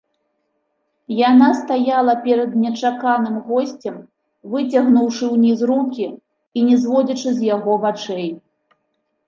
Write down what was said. Яна стаяла перад нечаканым госцем, выцягнуўшы ўніз рукі і не зводзячы з яго вачэй.